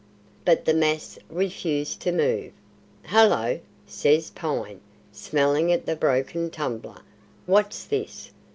But the mass refused to move. "Hallo!" says Pine, smelling at the broken tumbler, "what's this?